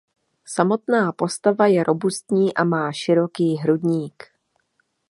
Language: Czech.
Samotná postava je robustní a má široký hrudník.